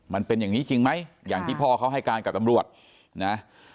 มันเป็นอย่างนี้จริงไหมอย่างที่พ่อเขาให้การกับตำรวจนะ